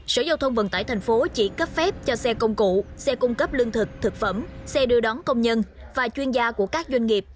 sở giao thông vận tải thành phố chỉ cấp phép cho xe công cụ xe cung cấp lương thực thực phẩm xe đưa đón công nhân và chuyên gia của các doanh nghiệp